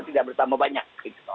tidak bertambah banyak